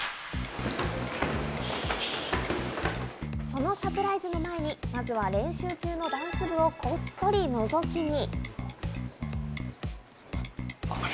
そのサプライズの前にまずは練習中のダンス部を、こっそり覗き見。